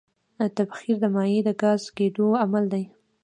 تبخیر د مایع د ګاز کېدو عمل دی.